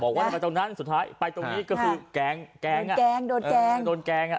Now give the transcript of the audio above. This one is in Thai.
บอกว่าถ้าไปตรงนั้นสุดท้ายไปตรงนี้ก็คือแกงแกงโดนแกง